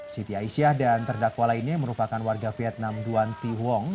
siti aisyah dan terdakwa lainnya merupakan warga vietnam duan thi huong